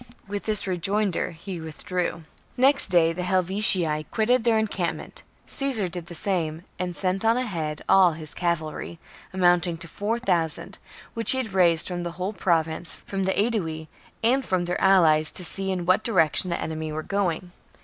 With this rejoinder he withdrew. 15. Next day the Helvetii quitted their en They march up the valley campment. Caesar did the same, and sent on oftheSaone, ahead all his cavalry, amounting to four thousand, Caesar. which he had raised from the whole Province, from the Aedui, and from their allies, to see in what direction the enemy were going.